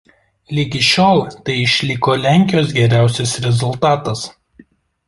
Ligi šiol tai išliko Lenkijos geriausias rezultatas.